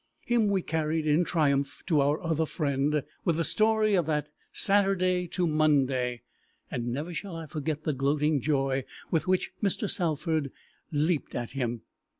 Him we carried in triumph to our other friend, with the story of that Saturday to Monday, and never shall I forget the gloating joy with which Mr. Salford leapt at him.